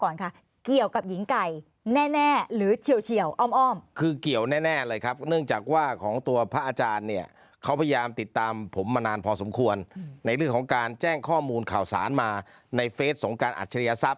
ในเรื่องของการแจ้งข้อมูลข่าวสารมาในเฟสสงการอัจฉริยศัพท์